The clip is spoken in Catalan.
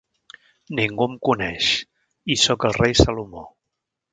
Ningú em coneix… i sóc el rei Salomó!